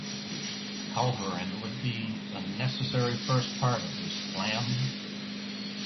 "Culverin" would be a necessary first part of this plan.